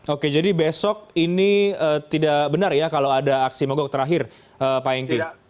oke jadi besok ini tidak benar ya kalau ada aksi mogok terakhir pak hengki